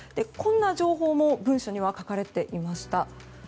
こんな情報も文書には書かれていました。